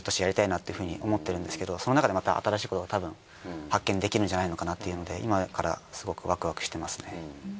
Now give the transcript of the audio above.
っていうふうに思ってるんですけどそのなかでまた新しいことがたぶん発見できるんじゃないのかなっていうので今からすごくワクワクしてますね。